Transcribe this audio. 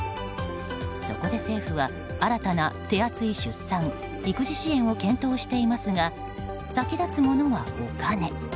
そこで政府は新たな手厚い出産・育児支援を検討していますが先立つものは、お金。